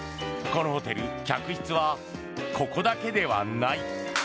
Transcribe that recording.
このホテル客室はここだけではない。